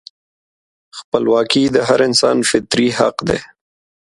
خپلواکي د هر انسان فطري حق دی.